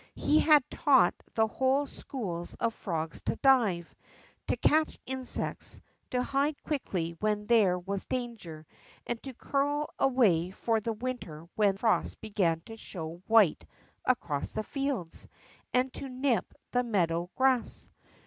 He had taught whole schools of frogs to dive, to catch insects, to hide quickly when there was danger, and to curl away for the winter when frost began to show white across the fields, and to nip the meadow grass.